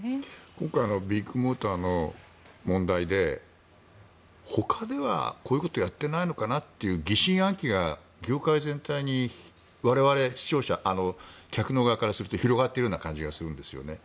今回のビッグモーターの問題でほかではこういうことやっていないのかなという疑心暗鬼が業界全体に我々、視聴者、客の側からすると広がっているような感じがするんですよね。